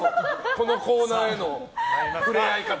このコーナーへの触れ合い方。